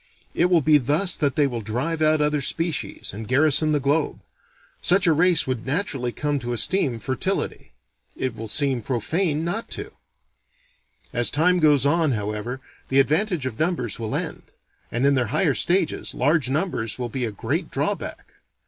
It will be thus that they will drive out other species, and garrison the globe. Such a race would naturally come to esteem fertility. It will seem profane not to. As time goes on, however, the advantage of numbers will end; and in their higher stages, large numbers will be a great drawback.